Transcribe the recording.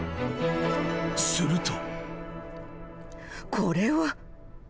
［すると］